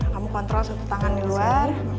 kamu kontrol satu tangan di luar